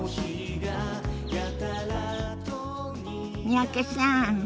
三宅さん